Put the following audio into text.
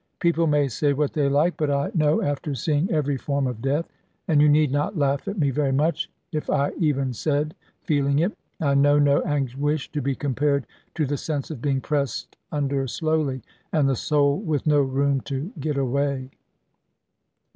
People may say what they like; but I know, after seeing every form of death (and you need not laugh at me very much, if I even said feeling it) I know no anguish to be compared to the sense of being pressed under slowly; and the soul with no room to get away.